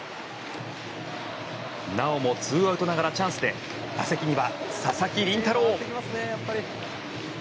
なおもツーアウトながらチャンスで打席には、佐々木麟太郎。